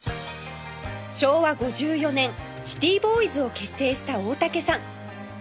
昭和５４年シティボーイズを結成した大竹さん